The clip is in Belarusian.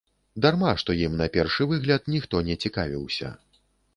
Дарма што ім на першы выгляд ніхто не цікавіўся.